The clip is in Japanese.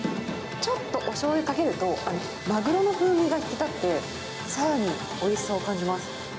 ちょっとおしょうゆかけると、マグロの風味が引き立って、さらにおいしさを感じます。